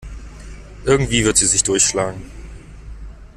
Irgendwie wird sie sich durchschlagen.